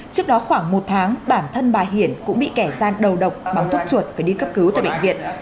trước đó khoảng một tháng bản thân bà hiển cũng bị kẻ gian đầu độc bằng thuốc chuột phải đi cấp cứu tại bệnh viện